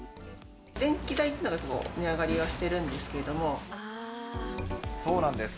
電気代っていうのが値上がりそうなんです。